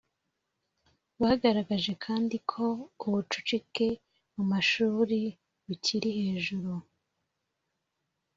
Bagaragaje kandi ko ubucucike mu mashuri bukiri hejuru